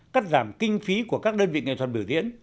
cắt giảm kinh phí của các đơn vị nghệ thuật bởi tiễn